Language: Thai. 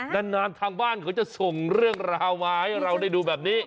นานทางบ้านเขาจะส่งเรื่องราวมาให้เราได้ดูแบบนี้